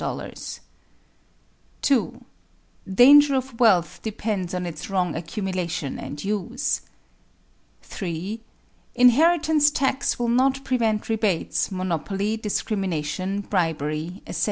Danger of wealth depends on its wrong accumulation and use 3. _Inheritance tax will not prevent rebates, monopoly, discrimination, bribery, etc.